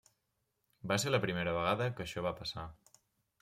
Va ser la primera vegada que això va passar.